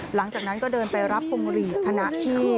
หลังจากนั้นก็เดินไปรับพวงหลีดขณะที่